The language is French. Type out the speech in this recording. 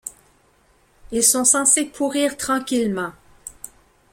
Ils sont censés pourrir tranquillement.